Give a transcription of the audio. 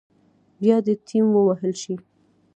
بيا دې تيمم ووهل شي.